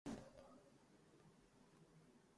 کہ مژگاں جس طرف وا ہو‘ بہ کف دامانِ صحرا ہے